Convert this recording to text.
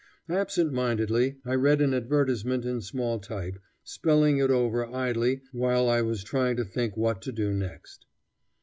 Absent mindedly I read an advertisement in small type, spelling it over idly while I was trying to think what to do next.